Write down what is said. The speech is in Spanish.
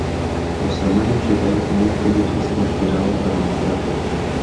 Los hermanos rivales, muy furiosos, conspiraron para matarlo.